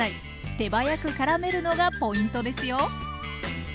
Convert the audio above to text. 手早くからめるのがポイントですよ。